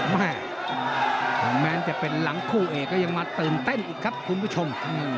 แม่แม้จะเป็นหลังคู่เอกก็ยังมาตื่นเต้นอีกครับคุณผู้ชม